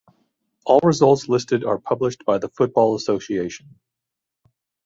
All results listed are published by The Football Association.